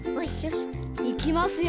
いきますよ！